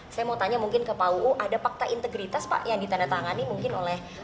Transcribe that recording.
saya mau tanya mungkin ke pak uu ada fakta integritas pak yang ditandatangani mungkin oleh